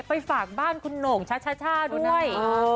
ไปฝากบ้านคุณโหน่งชะชะช่าด้วย